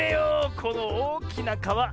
このおおきなかわ！